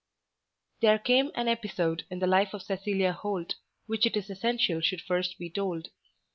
There came an episode in the life of Cecilia Holt which it is essential should first be told.